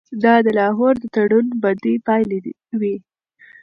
دا د لاهور د تړون بدې پایلې وې.